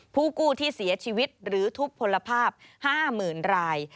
ผู้กู้ที่เสียชีวิตหรือทุบพลภาพ๕๐๐๐ราย